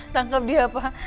tangkap dia pak